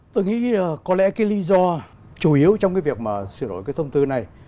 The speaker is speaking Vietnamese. tôi nghĩ có lẽ cái lý do chủ yếu trong cái việc mà sửa đổi cái thông tư này